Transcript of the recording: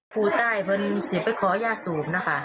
ผู้ตายเป็นสิทธิ์ไปขอย่าสูบนะค่ะ